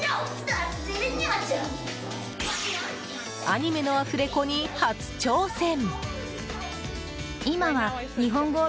アニメのアフレコに初挑戦！